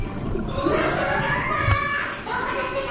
マスターカッパーどこだってか！